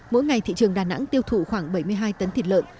mỗi ngày thị trường đà nẵng tiêu thụ khoảng bảy mươi hai tấn thịt lợn